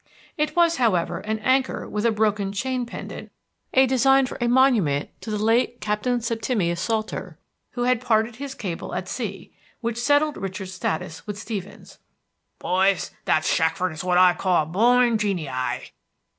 It was, however, an anchor with a broken chain pendent a design for a monument to the late Captain Septimius Salter, who had parted his cable at sea which settled Richard's status with Stevens. "Boys, that Shackford is what I call a born genei."